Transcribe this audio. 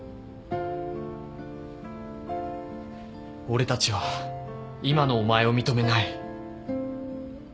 俺たちは今のお前を認めない。